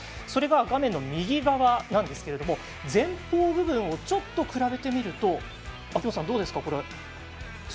画面の右側なんですが前方部分をちょっと比べてみると秋元さん、どうですか？